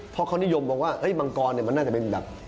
พ่อเขานิยมบอกว่ามังกรน่าจะเป็นแบบ